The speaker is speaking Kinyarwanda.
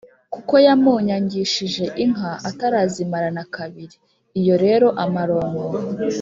kuko yamunyagishije inka atarazimarana kabiri. Iyo rero amaronko